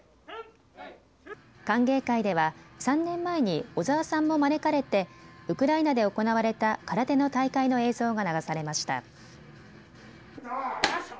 歓迎会では３年前に小沢さんも招かれてウクライナで行われた空手の大会の映像が流されました。